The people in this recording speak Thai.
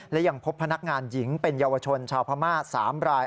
และยังพบพนักงานหญิงเป็นเยาวชนชาวพม่า๓ราย